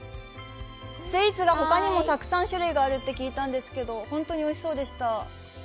スイーツがほかにもたくさん種類があるって聞いたんですけど、本当においしそうでした。